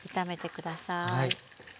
はい。